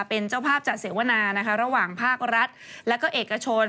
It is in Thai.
เป็นเจ้าภาพจัดเสวนานะคะระหว่างภาครัฐและก็เอกชน